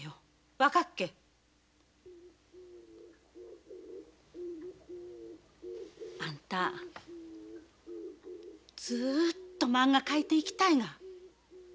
分かっけ？あんたずっとまんが描いていきたいが？